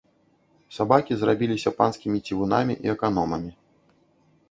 Сабакі зрабіліся панскімі цівунамі і аканомамі.